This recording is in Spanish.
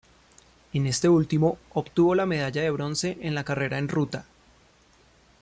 En este último obtuvo la medalla de bronce en la carrera en ruta.